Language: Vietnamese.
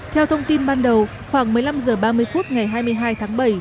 theo thông tin ban đầu khoảng một mươi năm h ba mươi phút ngày hai mươi hai tháng bảy